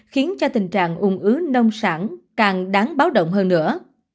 khiến cho tình trạng ung ứ nông sản càng đáng báo động hơn nữa